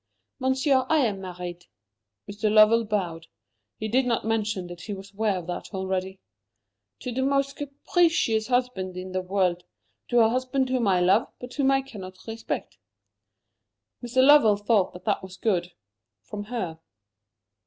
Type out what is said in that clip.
Monsieur, I am married" Mr. Lovell bowed. He did not mention that he was aware of that already "to the most capricious husband in the world to a husband whom I love, but whom I cannot respect." Mr. Lovell thought that that was good from her.